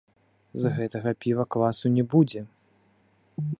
З гэтага піва квасу не будзе.